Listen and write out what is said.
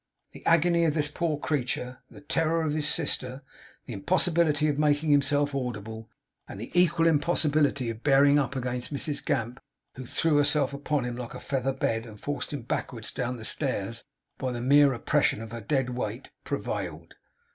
The agony of this poor creature, the terror of his sister, the impossibility of making himself audible, and the equal impossibility of bearing up against Mrs Gamp, who threw herself upon him like a feather bed, and forced him backwards down the stairs by the mere oppression of her dead weight, prevailed.